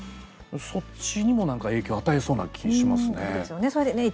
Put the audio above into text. そっちにもなんか影響与えそうな気しますね。